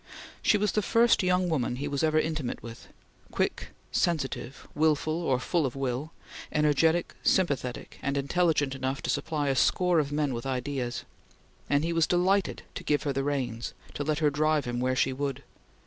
She was the first young woman he was ever intimate with quick, sensitive, wilful, or full of will, energetic, sympathetic and intelligent enough to supply a score of men with ideas and he was delighted to give her the reins to let her drive him where she would.